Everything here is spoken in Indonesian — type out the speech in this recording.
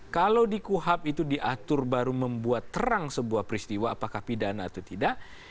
kalau di kuhap itu diatur baru membuat terang sebuah peristiwa apakah pidana atau tidak